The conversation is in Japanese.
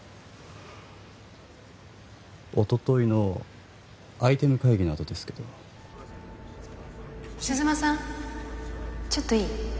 おとといのアイテム会議のあとですけど鈴間さんちょっといい？